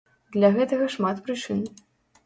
Для гэтага шмат прычын.